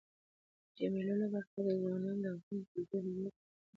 د مېلو له برکته ځوانان د خپل کلتوري هویت په اړه پوهه ترلاسه کوي.